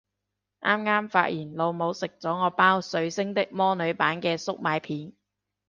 啱啱發現老母食咗我包水星的魔女版嘅粟米片